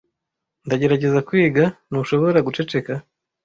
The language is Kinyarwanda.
Ndagerageza kwiga. Ntushobora guceceka?